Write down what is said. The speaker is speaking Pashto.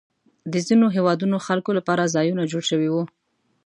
د ځینو هېوادونو خلکو لپاره ځایونه جوړ شوي وو.